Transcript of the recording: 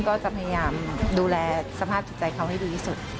ก็จะพยายามดูแลสภาพจิตใจเขาให้ดีที่สุด